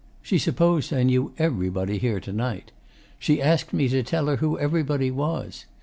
She supposed I knew everybody here to night. She asked me to tell her who everybody was.